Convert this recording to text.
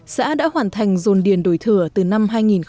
xã đã hoàn thành dồn điền đổi thừa từ năm hai nghìn một mươi